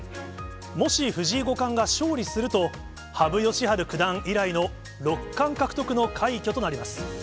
もし藤井五冠が勝利すると、羽生善治九段以来の六冠獲得の快挙となります。